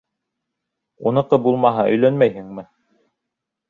— Уныҡы булмаһа өйләнмәйһеңме?